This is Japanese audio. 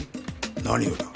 何をだ？